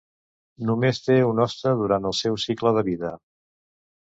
Només té un hoste durant el seu cicle de vida.